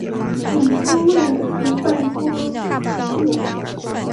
总吨位五百多公顿。